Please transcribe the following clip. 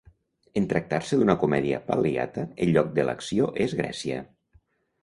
En tractar-se d'una comèdia pal·liata, el lloc de l'acció és Grècia.